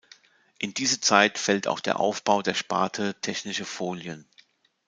In diese Zeit fällt auch der Aufbau der Sparte Technische Folien.